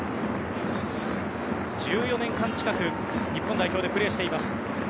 １４年間近く日本代表でプレーしています